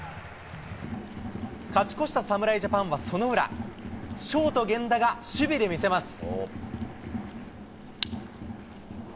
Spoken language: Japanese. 勝ち越した侍ジャパンはその裏、ショート、源田が守備で見せます。